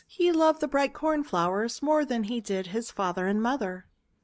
He loved the bright Cornflowers more than he did his father and mother.